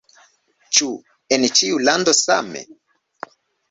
Ĉu en ĉiu lando same?